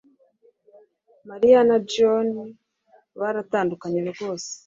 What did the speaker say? Mariya na Joan baratandukanye rwose